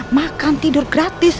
makan tidur gratis